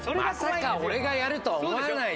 まさか俺がやると思わない。